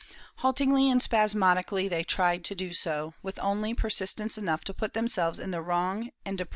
Haltingly and spasmodically they tried to do so, with only per sistence enough to put themselves in the wrong and deprive of » Col.